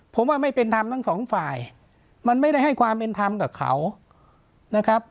ผมว่าไม่เป็นธรรมทั้งสองฝ่ายมันไม่ได้ให้ความเป็นธรรมกับเขานะครับ